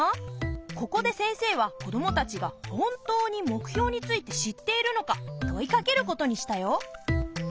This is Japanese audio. ここで先生は子どもたちが本当に目標について知っているのか問いかけることにしたよ。